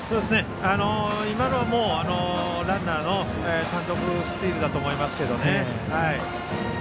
今のはランナーの単独スチールだと思いますけどね。